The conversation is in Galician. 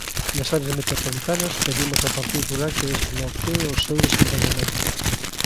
Nas áreas metropolitanas, pedimos ao Partido Popular que desbloquee o seu desenvolvemento.